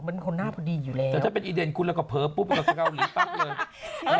มันคนหน้าพอดีอยู่แล้วแต่ถ้าเป็นอีเดนคุณแล้วก็เผลอปุ๊บไปเราจะเกาหลีปั๊บเลย